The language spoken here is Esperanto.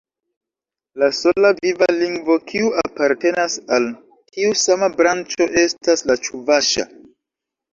La sola viva lingvo kiu apartenas al tiu sama branĉo estas la Ĉuvaŝa.